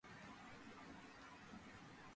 ჯგუფი სხვადასხვა მიზეზით ბევრმა დატოვა.